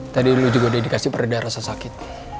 tadi lu juga dikasih pereda rasa sakit